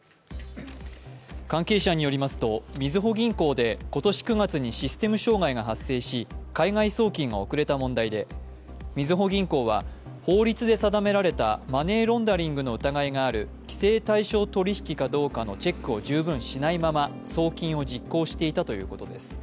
関係者によりますと、みずほ銀行で今年９月にシステム障害が発生し海外送金が遅れた問題でみずほ銀行は法律で定められたマネーロンダリングの疑いがある規制対象取引かどうかのチェックを十分しないまま送金を実行していたということです。